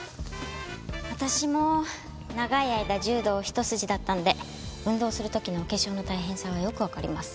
私も長い間柔道一筋だったので運動する時のお化粧の大変さはよくわかります。